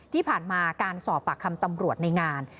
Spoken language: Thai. ที่ผ่านมาการสอบปากคำตำรวจในงาน